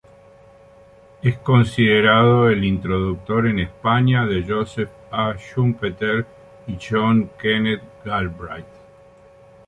Es considerado el introductor en España de Joseph A. Schumpeter y John Kenneth Galbraith.